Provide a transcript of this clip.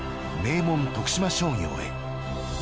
名門徳島商業へ。